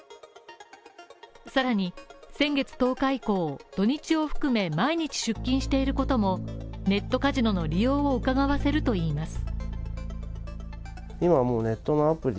更に、先月１０日以降、土日を含め毎日出金していることもネットカジノの利用をうかがわせるといいます。